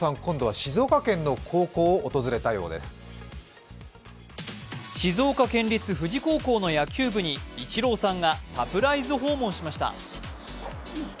静岡県立富士高校の野球部にイチローさんがサプライズ訪問しました。